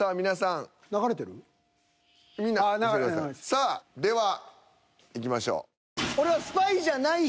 さあではいきましょう。